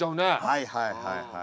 はいはいはいはい。